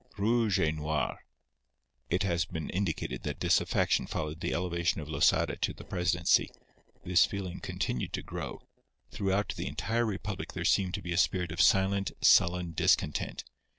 XVI ROUGE ET NOIR It has been indicated that disaffection followed the elevation of Losada to the presidency. This feeling continued to grow. Throughout the entire republic there seemed to be a spirit of silent, sullen discontent.